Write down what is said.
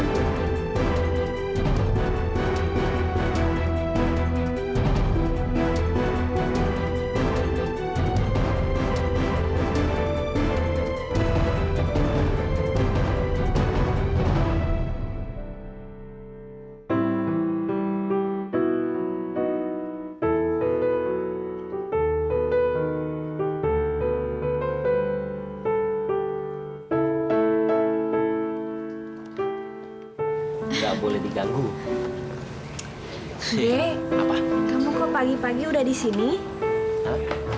sampai jumpa di video selanjutnya